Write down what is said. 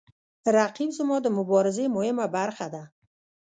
رقیب زما د مبارزې مهمه برخه ده